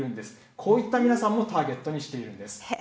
こういった皆さんもターゲットにしているんです。